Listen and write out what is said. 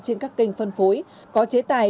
trên các kênh phân phối có chế tài